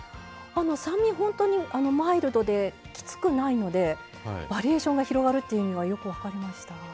酸味ほんとにマイルドできつくないのでバリエーションが広がるっていう意味はよく分かりました。